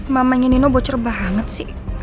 mamanya nino bocor banget sih